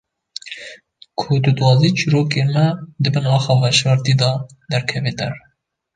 Ku tu dixwazî çîrokên me di bin axa veşartî de derkeve der.